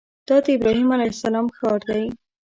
دا د ابراهیم علیه السلام ښار دی.